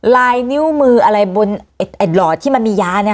ลายนิ้วมือบนไอดรอดที่มียา